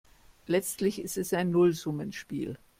Letztlich ist es ein Nullsummenspiel.